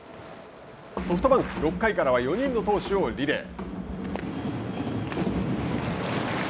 ソフトバンク、６回からは４人の投手をリレー。